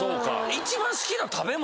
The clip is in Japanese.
一番好きな食べ物？